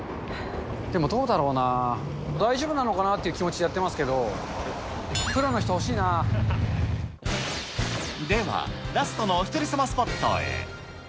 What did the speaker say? でもどうだろうな、大丈夫なのかなって気持ちでやってますけど、では、ラストのおひとり様スポットへ。